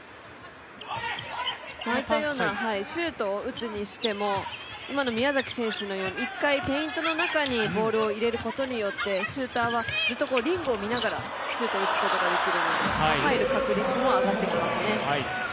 ああいったようなシュートを打つにしても、今の宮崎選手のように１回ペイントの中にボールを入れることによって、シューターはずっとリングを見ながらシュートを打つことができるので入る確率も上がってきますね。